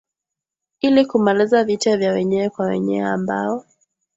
ili kumaliza vita vya wenyewe kwa wenyewe ambao